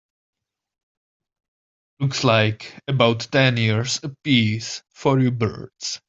Looks like about ten years a piece for you birds.